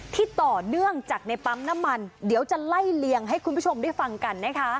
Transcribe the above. ที่ต่อเนื่องจากในปั๊มน้ำมันเดี๋ยวจะไล่เลียงให้คุณผู้ชมได้ฟังกันนะคะ